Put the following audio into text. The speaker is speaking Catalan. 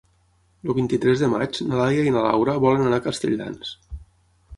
El vint-i-tres de maig na Laia i na Laura volen anar a Castelldans.